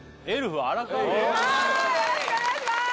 はーいよろしくお願いしまーす＃！